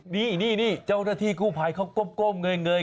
เห็นงูสิครับนี่เจ้าหน้าที่กู่ภายเขาก้มเงย